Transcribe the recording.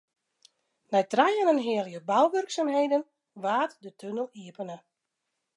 Nei trije en in heal jier bouwurksumheden waard de tunnel iepene.